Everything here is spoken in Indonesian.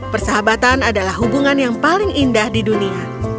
persahabatan adalah hubungan yang paling indah di dunia